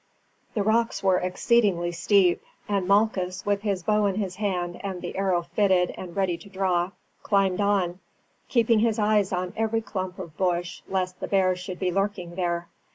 The rocks were exceedingly steep; and Malchus, with his bow in his hand and the arrow fitted and ready to draw, climbed on, keeping his eyes on every clump of bush lest the bear should be lurking there.